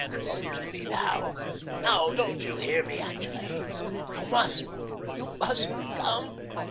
"Come to me now, now. Don't you hear me, Angele? You must, you must come."